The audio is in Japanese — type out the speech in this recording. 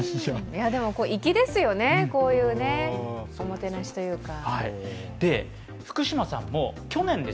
粋ですよね、こういうおもてなしというか。